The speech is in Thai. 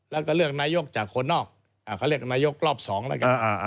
แล้วก็เลือกนายกจากคนนอกเขาเรียกนายกรอบ๒แล้วกัน